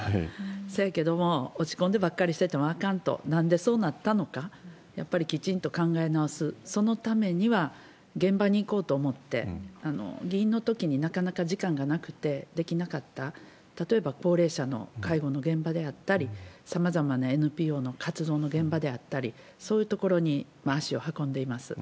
せやけども、落ち込んでばっかりしててもあかんと、なんでそうなったのか、やっぱりきちんと考え直す、そのためには現場に行こうと思って、議員のときになかなか時間がなくてできなかった、例えば高齢者の介護の現場であったり、さまざまなＮＰＯの活動の現場であったり、そういうところに足を運んでいます。